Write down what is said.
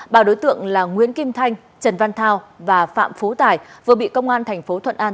bà đối tượng là nguyễn kim thanh trần văn thao và phạm phú tài vừa bị công an thành phố thuận an